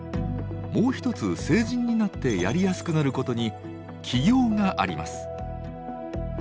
もう一つ成人になってやりやすくなることに起業があります。